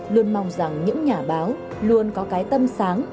luôn mong rằng những nhà báo luôn có cái tâm sáng